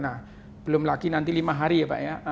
nah belum lagi nanti lima hari ya pak ya